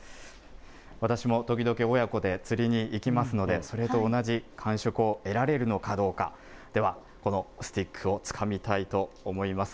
私も時々、親子で釣りに行きますので、それと同じ感触を得られるのかどうか、では、このスティックをつかみたいと思います。